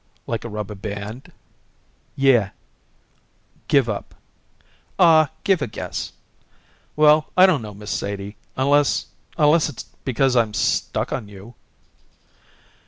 "Like a rubber band?" "Yeh." "Give up." "Aw, give a guess." "Well, I don't know, Miss Sadie, unless unless it's because I'm stuck on you."